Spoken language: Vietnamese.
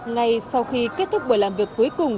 ngay sau khi kết thúc buổi làm việc cuối cùng